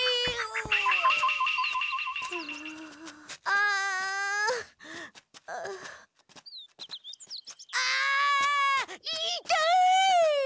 あ言いたい！